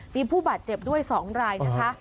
มีผู้บาดเจ็บด้วย๒รายนะคะ